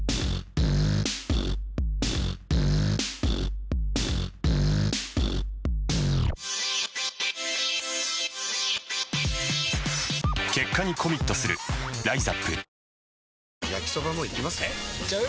えいっちゃう？